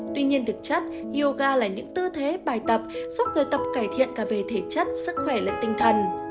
tuy nhiên thực chất yoga là những tư thế bài tập giúp người tập cải thiện cả về thể chất sức khỏe lẫn tinh thần